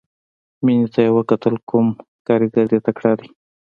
مينې ته يې وکتل کوم کارګر دې تکړه دى.